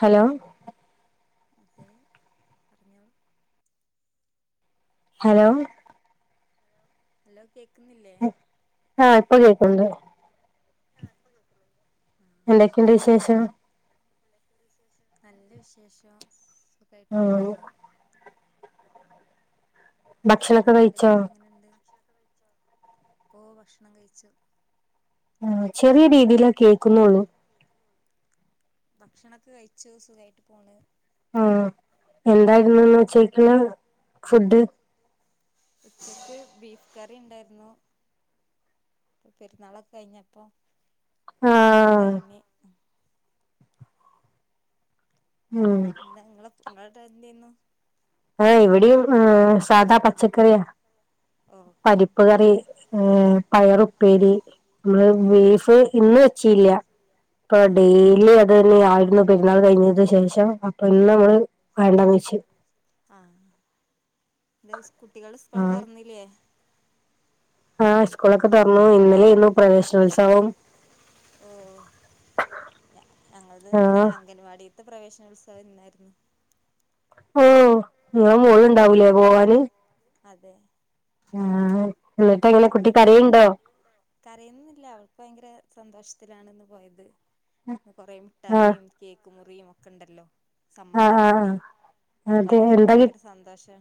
Hello [inaudible] hello hello അഹ് ഇപ്പ കേട്ടു ഉണ്ടോ എന്തൊക്കെയുണ്ട് വിശേഷം നല്ല വിശേഷം [unintelligible] പോകുന്നു [inaudible] ഓഹ് ഭക്ഷണം കഴിച്ചു ആ ചെറിയ രീതിയില കേക്കുന്നുള്ളൂ ഭക്ഷണൊക്കെ കഴിച്ചു സുഖമായിട്ട് പോണ് ആഹ് എന്തായിരുന്നുന്ന് ഉച്ചക്ക് ഫുഡ് ഉച്ചക്ക് ബീഫ് കറി ഉണ്ടായിരുന്നു പെരുന്നാളൊക്കെ കഴിഞ്ഞപ്പൊ ബീഫ് ഇണ്ടായിന്ന ഉം [unintelligible] എന്ത് ചെയ്യന്നു എവിടെയും ഏ സാധാ പച്ചക്കറിയാ പരിപ്പ് കറി ഏ പയറും പേരി ബീഫ് ഇന്ന് വെച്ചില്ല ഇപ്പൊ ഡെയിലി അത് ആയിരുന്നു പെരുന്നാൾ കഴിഞ്ഞതിന ശേഷം അപ്പൊ ഇന്ന് നമ്മള് വേണ്ടന്ന് വെച്ച ആഹ് സ് കുട്ടികൾ സ്കൂള് തുറന്നില്ലേ ആ സ്കൂളൊക്കെ തുറന്നു ഇന്നലെയുന്നു പ്രവേശനോത്സവം ഓ ഞങ്ങളത് ഇന്ന് അംഗൻവാടി ഇത്തെ പ്രവേശനോത്സവം ഇന്നായിരുന്നു ഓ നിങ്ങള് മോളുണ്ടാവൂലേ പോവാന് അതെ അവ കരയുന്നില്ല അവൾക്ക് ഭയങ്കര സന്തോഷ [unintelligible] പോയത് കൊറെ മിഠായിം കേക്കു മുറി [unintelligible] ഒക്കെ ഇണ്ടല്ലോ? സമ്മാനം കിട്ടി അപ്പൊ അതിനൊക്കെ ഭയങ്കര സന്തോഷം.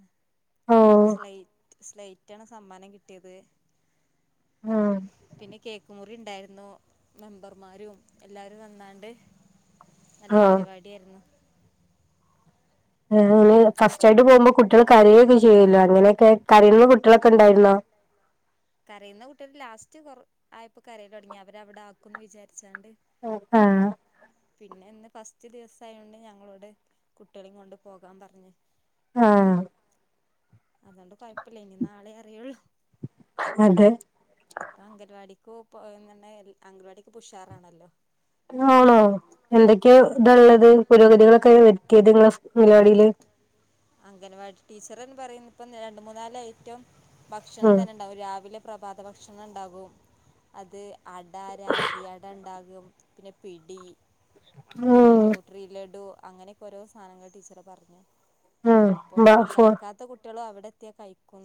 സ്ലൈ സ്ലൈറ്റ് ആണ് സമ്മാനം കിട്ടിയത് പിന്നെ കേക്കു ഉണ്ടായിരുന്നു മെമ്പർമാരും എല്ലാരും വന്നാണ്ട് നല്ല പരിപാടിയായിരുന്നു [unintelligible] ഫസ്റ്റായിട്ട് പോകുമ്പോ കുട്ടികൾ കരയൊക്കെ ചെയ്യല്ലോ അങ്ങനെയൊക്കെ കരുന്ന കുട്ടികളൊക്കെ ഉണ്ടായിരുന്നോ പ്പൊ കരയിൽ തുടങ്ങി അവരവിടെ ആക്കന്ന് വിചാരിച്ചാണ്ട് ആ പിന്നെ ഇന്ന് ഫസ്റ്റ് ദിവസയോണ്ട് ഞങ്ങളോവിടെ കുട്ടികളും കൊണ്ട് പോകാൻ പറഞ്ഞു ആ അതൊണ്ട് കോഴപ്പില്ല ഇനി നാളെ അറിയുള്ളൂ അതെ പോം ഇപ്പൊ എന്തുണ്ടെങ്കിൽ അംഗൽവാടിക്കിപ്പോഷാറാണല്ലോ ആണോ എന്തൊക്കെയാ ഇതൊള്ളത് പുരോഗതികളൊക്കെ വരുത്തിയത് നിങ്ങളെ അംഗനവാടിയില് ഇപ്പം രണ്ട് മൂന്നലൈറ്റം ഭക്ഷണം തന്നെ ഉണ്ടാവും രാവിലെ പ്രഭാത ഭക്ഷണം ഉണ്ടാകും അത് അട രാഗി അട ഉണ്ടാകും പിന്നെ പിടി പിന്നെ ന്യൂട്രി ലഡു അങ്ങനെയൊക്കെ ഓരോ സാധനങ്ങൾ ടീച്ചറ് പറഞ്ഞു അപ്പൊ കഴിക്കാത്ത കുട്ടികളോ അവി ടെത്തിയ കൈയ്ക്കും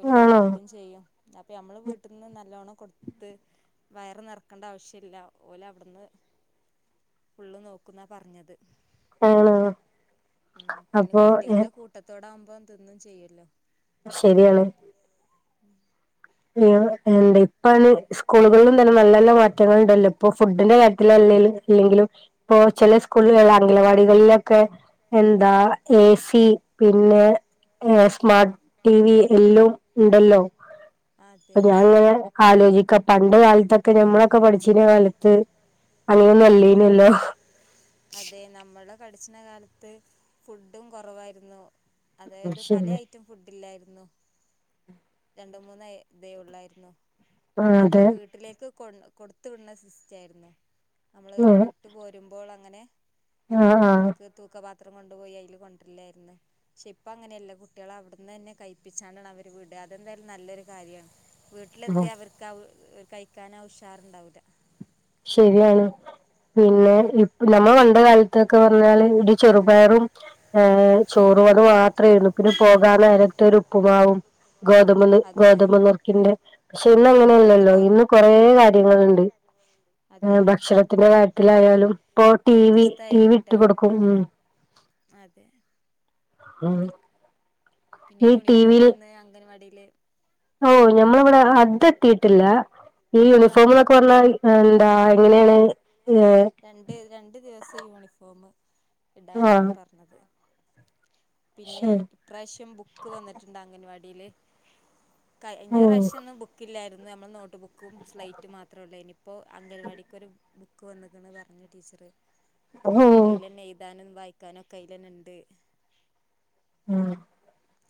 ഓര് കഴപ്പിക്കയും ചെയ്യും അപ്പൊ നമ്മള് വീട്ടിൽന്ന് നല്ലോണം കൊടുത്ത് വയറ് നിറക്കേണ്ട ആവശ്യമില്ല ഓല് അവിടുന്ന് ഫുള്ള് നോക്കുന്നാ പറഞ്ഞത് ഉം പിന്നെ കുട്ടികളുടെ കൂട്ടത്തോടെ ആകുമ്പോ അപ്പൊ തിന്നും ചെയ്യല്ലോ ശരിയാണ്. ഉം [unintelligible] എന്താ ഇപ്പാണ് സ് സ്കൂളുകളിലും തന്നെ നല്ല നല്ല മാറ്റങ്ങൾ ഇണ്ടല്ലോ ഇപ്പൊ ഫുഡിന്റെ കാര്യത്തിലല്ലേലും ഇല്ലെങ്കിലും ഇപ്പൊ ചില സ്കൂളുകള അംഗലവാടികളിലൊക്കെ എന്താ എ സി പിന്നെ ഏഹ് സ്മാർട്ട് ടി വി എല്ലും ഇണ്ടല്ലോ അപ്പൊ ഞാനിങ്ങനെ ആലോചിക്ക പണ്ട കാലത്തൊക്കെ ഞമ്മളൊക്കെ പഠിച്ചന കാലത്ത് അങ്ങനോന്നു അല്ലെ നിയല്ലോ പഠിച്ചണ കാലത്ത് ഫുഡും കുറവായിരുന്നു. അതായത് പല ഐറ്റം ഫുഡ് ഇല്ലായിരുന്നു ര ണ്ട് മൂന്നേ ഇതേ ഒള്ളായിരുന്നു പിന്നെ നമ്മള് വീട്ടിലേക്ക് കൊടു കൊടുത്ത് വിടണ സിസ്റ്റം ആയിരുന്നു നമ്മള് വിട്ട് പോരുമ്പോൾ ആ അങ്ങനെ അമ്മൾക്ക് തൂക്ക പാ പത്രം കൊണ്ടുപോയി അതിൽ കൊണ്ടില്ലായിരുന്നു പക്ഷെ ഇപ്പൊ അങ്ങനെ അല്ല കുട്ടികള അവിടുന്ന് തന്നെ കയിപ്പിച്ചാണ് അവർ വിടുക അതെന്തായ നല്ലൊരു കാര്യണ് വീട്ടിലെത്തി അവർക്ക് അവ കഴിക്കൻ ആ ഉഷാറുണ്ടാവുല്ല ശരിയാണ് പിന്നെ ഇപ് നമ്മ പണ്ട് കാലത്തൊക്കെ പറഞ്ഞാല് ഇത് ചെറുപയറും ഏ ചോ റു മാത്രയരുന്നു പിന്നെ പോകാൻ നേരത്തെ ഒരു ഉ പ്പുമാവും ഗോതമ്പ് നൂർ ഗോതമ്പുനുർക്കിന്റെ പക്ഷെ ഇന്ന് അങ്ങനെയല്ലല്ലോ ഇന്ന് കൊറേ കാര്യങ്ങളുണ്ട് ഭക്ഷണത്തിന്റെ കാര്യത്തിലായാലും ഇപ്പൊ ടി വി ടി വി ഇട്ടു കൊടുക്കും ഉം പിന്നെ യൂണിഫോം വന്ന് അംഗൻവാടി ല് ഓ ഞമ്മളിവിടെ അതെത്തിട്ടില്ല ഈ യൂണിഫോമ് എന്നൊക്കെ പറഞ്ഞാൽ എന്താ എങ്ങനെയാണ് ഏ തെ യൂണിഫോമ് ഇടാനാണ് പറഞ്ഞത് പിന്നെ ഇപ്രാവശ്യം ബുക്ക് ബുക്ക് വന്നിട്ടുണ്ട് അംഗൻവാടിയില് കഴിഞ്ഞ പ്രാവശ്യാന്നും ബുക്കില്ലായിരുന്നു ന്ന് നമ്മള് നോട്ടുബുക്ക് ക്കും സ്ലേറ്റും മാത്രോള്ളായ്ന്ന് ഇപ്പൊ അംഗൻവാടിക്കൊരു ബുക്ക് വന്ന്ക്ക്ണ് പറഞ്ഞു ടീച്ചറ് അപ്പൊ അയിലന്നെ എഴുതാനും വായി കളിക്കാനൊക്കെ അയ്ലെന്ന ഉണ്ട് [unintelligible] ഉം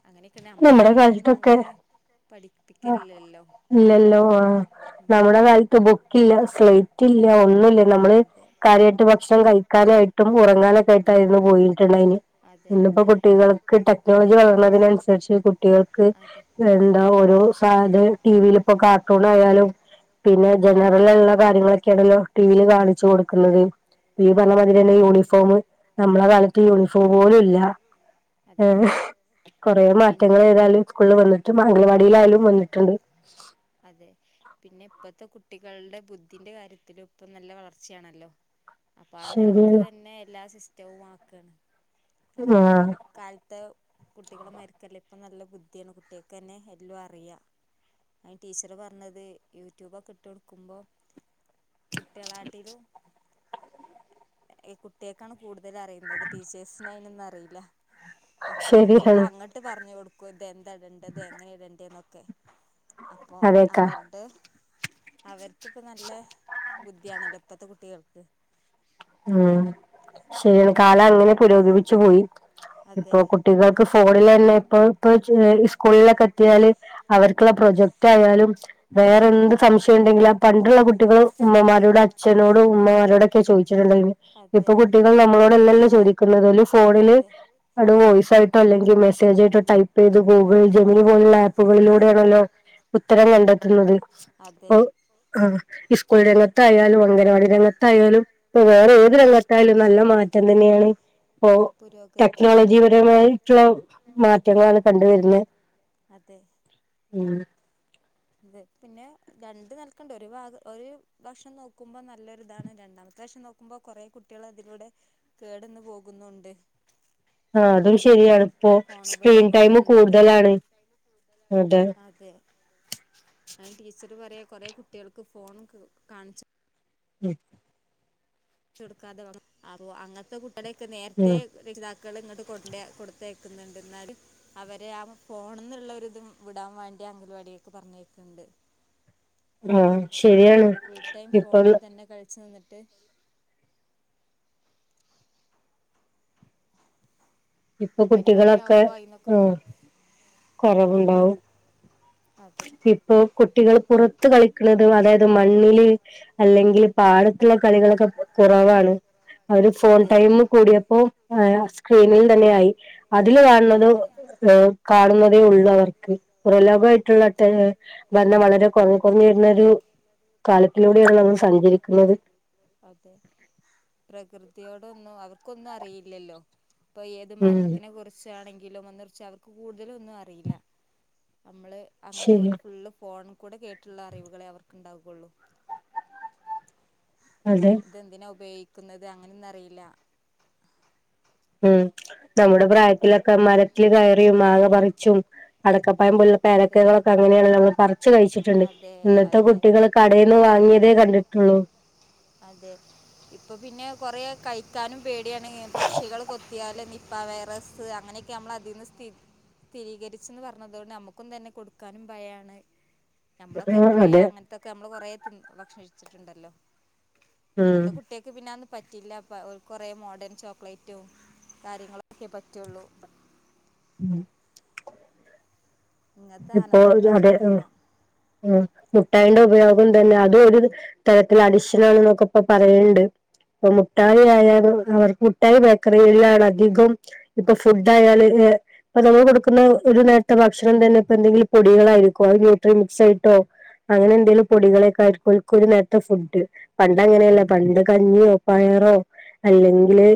അങ്ങനെയൊക്കെയാ നമ്മളന്നായന്ന് അങ്ങനെ പഠിപ്പ ആ ഇല്ലല്ലോ ആ നമ്മുടെ കാ ബുക്ക് ഇല്ല സ്ലൈറ്റ് ഇല്ല ഒന്നും നമ്മള് കാര്യമായിട്ട് ഭക്ഷണം കഴിക്കാനായിട്ടും ഉറങ്ങാനൊക്കെ ആയിട്ടായിരുന്നു പോയിട്ടുള്ളത്തിന് ഇന്നിപ്പോ കുട്ടികൾക്ക് ടെക്നോളജി വളർന്നതിനനുസരിച്ച് കുട്ടികൾക്ക് എന്താ ഓരോ അത് ടിവിലിപ്പോ കാർട്ടൂണായാലും പിന്നെ ജനറലുള്ള കാര്യങ്ങളൊക്കെയണല്ലോ ടിവില് കാണിച്ചു കൊടുക്കുന്നത് ഈ പറഞ്ഞമാതിരിത്തന്നെ യൂണിഫോം നമ്മടെകാലത്ത് യൂണിഫോമുപോലുല്ല ഏ കൊറെ മാറ്റങ്ങൾ ഏതാലും സ്കൂളിൽ വന്നിട്ട് അംഗനവാടിയിലാലും അതെ പിന്നെ ഇപ്പത്തെ കുട്ടികളുടെ ബുദ്ധിന്റെ കാര്യത്തിലും ഇപ്പൊ നല്ല വളർച്ചയാണല്ലോ അപ്പൊ ആ നിലക്ക് തന്നെ എല്ലാ സിസ് മാക്ക [unintelligible] നമ്മളെ കാലത്ത് കുട്ടികള് മര്‌ക്കല്ല ഇപ്പ നല്ല ബുദ്ധിയാണ് കുട്ടികൾക്കന്നെ എല്ലോം അറിയാം അത് ടീച്ചറ് പറഞ്ഞത് യൂട്യൂബ ഒക്കെ ഇട്ട് കൊടുക്കുമ്പോ കുട്യോളാട്ടി ലും എ കുട്ടികക്കാണ് കൂടുതൽ അറിയുന്നത് ടീച്ചേഴ്സിനയിനൊന്നു അറിയില്ല അപ്പൊ കുട്ടികള് അങ്ങട്ട് പറഞ്ഞു കൊടു ഇത് എന്താടണ്ടത് എങ്ങനെ ഇടണ്ടേ നോക് ക്കെ അപ്പൊ അവർടേഹ് അവർ ക്കൊക്കെ നല്ലഹ് ബുദ്ധ്യാണല്ലോ ഇപ്പത്തെ കുട്ടികൾക്ക് ഉം ശര്യാണ് കാലം അങ്ങനെ പുരോഗമിച്ചു പോയി ഇപ്പൊ കുട്ടികൾക്ക് ഫോണിലെന്നെ ഇപ്പ ഇപ്പ ച്ച് സ്കൂളിലൊക്കെ എത്തിയാല് അവർക്കുള്ള പ്രൊജക്ട് ആയാലും വേറെ എന്ത് സംശയം ഉണ്ടെങ്കിലും ആ പണ്ടുള്ള കുട്ടികള് ഉമ്മമാരോട അച്ഛനോടും ഉമ്മമാരോടൊക്കെ ചോദി ഇപ്പൊ കുട്ടികൾ നമ്മളോടല്ലല്ലോ ചോദിക്കുന്നത് ഓല് ഫോണില് അടെ വോയിസായിട്ടോ അല്ലെങ്കിൽ മെസ്സേജായിട്ടോ ടൈപ്പ്‌ ചെയ്ത് ഗുഗിൾ ജമിനി പോലുള്ള ആപ്പുകളിലൂടെയാണല്ലോ ഉത്തരം കണ്ടെത്തുന്നത് ഇപ്പൊഈ സ്കൂൾ രംഗത്തായാലും അംഗൻവാടി രംഗത്തായാലും ഇപ്പൊ വേറെ ഏത് രംഗത്തായാലും നല്ല മാറ്റം തന്നെയാണ് പ്പൊ ടെക് ക്നോളജിപരമായിട്ടുള്ള മാറ്റങ്ങളാണ് കണ്ടുവരുന്നെ മ്മ് ത് പിന്നെ രണ്ട് തൽകണ്ട് ഒരു ഭാഗ ഒരു വശം നോക്കുമ്പോ നല്ലൊരിതാണ്, രണ്ടാമത്തെ വശം നോക്കുമ്പോ, കൊറെ കുട്ട്യേള് ഇതിലൂടെ കേടന്ന്‌ പോകുന്നൂണ്ട്. ആ അതും ശരിയാണ്പ്പൊ സ്ക്രീൻ ടൈമ് കൂടുതലാണ് അതെ അയിന് ടീച്ചറ് പറേ കൊറെ കുട്ട്യള്ക്ക് ഫോണ് ക് കാണ്ച്ച് മ് ട്ട് ഇട്ക്കാതെ വാങ്ങും ആ അവോ അങ്ങത്തെത് ഇവ്ടെക്കെ നേരത്തെ [unintelligible] ക്കള് ഇങ്ങ്ട്ട് കൊണ്ടേ കൊടുത്തേയ്ക്ക്ന്ന്ണ്ട് ന്നാലും അവരെ ആ പോണംന്ന്ള്ളരിത് വിടാന് വാണ്ടി അംഗനവാടിക്ക് പറഞ്ഞയ്ക്ണ്ട് ആഹ് ശരിയാണ് ഇപ്പോള്ള ച്ച് നിന്നിട്ട് ഇപ്പൊ കുട്ടികളൊക്കെ ഉം കൊറവ്ണ്ടാവും ഇപ്പൊ കുട്ടികള് പുറത്ത് കളിക്ക്ണത് അതായത് മണ്ണില് അല്ലെങ്കില് പാടത്തുള്ള കളികളൊക്കെ കൊറവാണ് അവര് ഫോൺ ടൈമ് കൂടിയപ്പൊ മഴ സ്ക്രീനില് തന്നെ ആയി അതില് കാണ്നത് ഏഹ് കാണ്ന്നതേയുള്ളൂ അവർക്ക് പുറം ലോകമായിട്ട് ഉള്ള അറ്റാ വന്ന് വളരെ കൊർഞ് കൊർഞ് വരുന്ന ഒരു കാലത്തിലൂടെ ആണ് നമ്മള് സഞ്ചരിക്കുന്നത് തിയോടൊന്നും അവർക്കൊന്നും അറിയില്ലല്ലോ ഇപ്പൊ ഏത് മരത്തിനെ കുറി ആണെങ്കിലും ഒന്ന് [unintelligible] അവർക്ക് കൂടുതലോന്നും അറീല നമ്മള് അങ്ങനെ ഓല് ഫുള്ള് ഫോണും കൂടെ കേട്ട്ള്ള അറിവുകളെ അവർക്ണ്ടാകൊള്ളൂ ഇത് എന്തിനാ ഉപയോഗി ക്ക്ന്നത് അങ്ങനെന്നും അറിയില്ല ഉം നമ്മുടെ പ്രായത്തിലൊക്കെ മരത്തിൽ കയറിയും മാങ്ങ പറിച്ചും അടക്ക പ്പയം പോലുള്ള പേരക്കകളൊക്കെ അങ്ങനെയാണല്ലോ നമ്മള് പറിച്ചു കഴിച്ചിട്ടുണ്ട്. ഇന്നത്തെ കുട്ടികൾ കടെന്നു വാങ്ങിയതേ കണ്ടിട്ടോള്ളു കൊറേ കഴിക്കാനും പേടിആണ് പക്ഷികള് കൊത്തിയാല് നിപ്പാ വൈറസ് അങ്ങനെയൊക്കെ അതിന്ന് സ്ഥിരി - സ്ഥിരീകരിച്ച്ന്ന് പറഞ്ഞതു കൊണ്ട് നമ്മ ക്കും തന്നെ കൊട്ക്കാനും ഭയാണ് നമ്മളൊക്കെ എത്രേ അങ്ങൻത്തൊക്കെ ഞമ്മള് കൊറേ ത് ന്ന് ഭക്ഷണം കഴിച്ച്ട്ട്ണ്ടല്ലോ ഇപ്പത്തെ കുട്ട്യാക്ക് പിന്നെ അതോ പറ്റില്ല അപ്പ കൊറെ മോഡേൺ ചോക്ലേറ്റും കാര്യങ്ങളൊക്കെ പറ്റുള്ളൂ ഉം ഇപ്പോ ഒരു അതെ ഉം ഉം മുട്ടായിന്റെ ഉപയോഗം തന്നെ അതും ഒരു തരത്തിൽ അഡിക്ഷൻ ആണെന്നൊക്കെ ഇപ്പ പറയണ്ട്. അപ്പൊ മുട്ടായി ആയാലും അവർക്ക് മുട്ടായി ബേക്കറിയിലാണ് അധികവും ഇപ്പൊ ഫുഡായാല് ഇപ്പൊ നമ്മൾ കൊടുക്കുന്ന ഒരു നേരത്തെ ഭക്ഷണം തന്നെ ഇപ്പ എന്തെങ്കിലും പൊടികളായിരിക്കും അത് ന്യൂട്രിമിക്സ് ആയിട്ടോ അങ്ങനെ എന്തെങ്കിലും പൊടികളൊക്കെ ആയിരിക്കും ഒരു നേരത്തെ ഫുഡ്. പണ്ട് അങ്ങനെയല്ല പണ്ട് കഞ്ഞിയോ പയറോ അല്ലെങ്കില്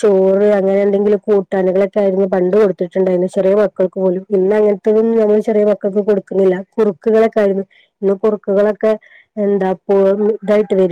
ചോറ് അങ്ങനെ എന്തെങ്കിലും കൂട്ടാനകളൊക്കെ ആയിരുന്നു പണ്ട് കൊടുത്തിട്ടുണ്ടായിരുന്നു ചെറിയ മക്കൾക്ക് പോലും. ഇന്ന് അങ്ങനത്തതൊന്നും നമ്മള് ചെറിയ മക്കൾക്ക് കൊടുക്കുന്നില്ല കുറുക്കുകളൊക്കെ ആയിരുന്നു ഇന്ന് കുറുക്കുകളൊക്കെ എന്താ പ്പൊ ഇതായിട്ട് വരാണ്.